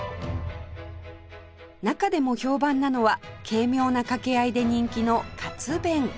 中でも評判なのは軽妙な掛け合いで人気の活弁